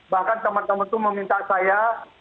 bahkan teman teman itu meminta saya